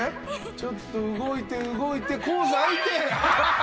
ちょっと動いて動いてコース空いて。